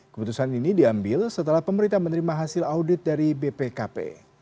keputusan ini diambil setelah pemerintah menerima hasil audit dari bpkp